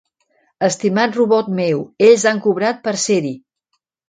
Estimat robot meu, ells han cobrat per ser-hi.